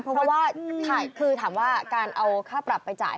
เพราะว่าคือถามว่าการเอาค่าปรับไปจ่าย